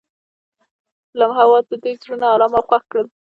د لمحه اواز د دوی زړونه ارامه او خوښ کړل.